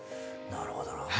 なるほどな。